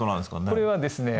これはですね